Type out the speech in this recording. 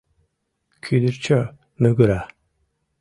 Кӱдырчӧ мӱгыра.